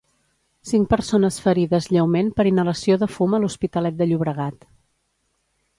Cinc persones ferides lleument per inhalació de fum a L'Hospitalet de Llobregat.